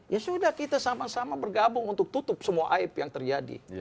ya sudah kita sama sama bergabung untuk tutup semua aib yang terjadi